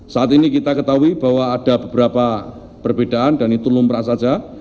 saat ini kita ketahui bahwa ada beberapa perbedaan dan itu lumrah saja